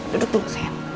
duduk dulu sayang